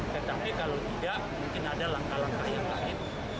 tetapi kalau tidak mungkin ada langkah langkah yang lain